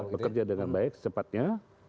bekerja dengan baik secepatnya